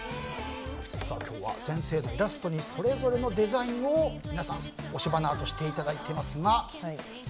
今日は先生のイラストにそれぞれのデザインを皆さん、押し花アートしていただいています。